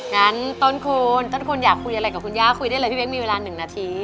งั้นต้นคุณต้นคุณอยากคุยอะไรกับคุณย่าคุยได้เลยพี่เบ๊กมีเวลา๑นาที